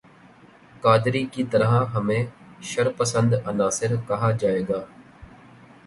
قادری کی طرح ہمیں شرپسند عناصر کہا جائے گا